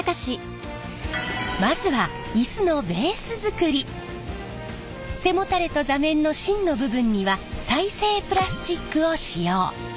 まずは背もたれと座面の芯の部分には再生プラスチックを使用。